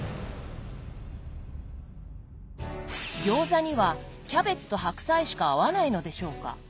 餃子にはキャベツと白菜しか合わないのでしょうか？